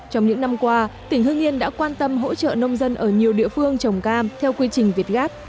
trong những năm qua tỉnh hưng yên đã quan tâm hỗ trợ nông dân ở nhiều địa phương trồng cam theo quy trình việt gáp